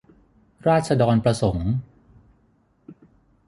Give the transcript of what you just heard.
ราษฎรประสงค์